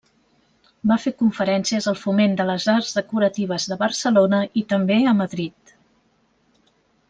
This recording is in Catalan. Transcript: Va fer conferències al Foment de les Arts Decoratives de Barcelona i també a Madrid.